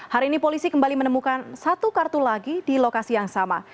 hari ini polisi kembali menemukan satu kartu lagi di lokasi yang sama